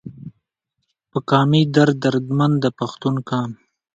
پۀ قامي درد دردمند د پښتون قام